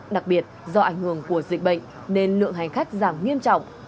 đặc biệt do ảnh hưởng của dịch bệnh nên lượng hành khách giảm nghiêm trọng